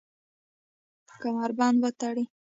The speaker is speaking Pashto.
کمربند وتړئ